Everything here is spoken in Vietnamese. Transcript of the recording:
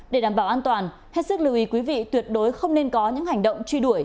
để đảm bảo an toàn hết sức lưu ý quý vị tuyệt đối không nên có những hành động truy đuổi